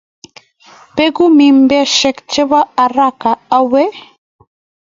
Bekuu mimbaishe che bo Haraka awee?